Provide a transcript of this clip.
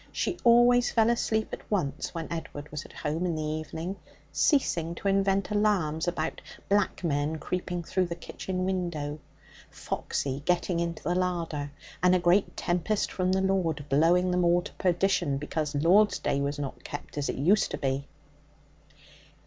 She always fell asleep at once when Edward was at home in the evening, ceasing to invent alarms about black men creeping through the kitchen window, Foxy getting into the larder, and a great tempest from the Lord blowing them all to perdition because Lord's Day was not kept as it used to be.